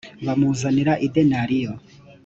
bamuzanira idenariyo .